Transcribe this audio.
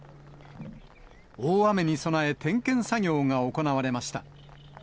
大雨に備え点検作業が行われました。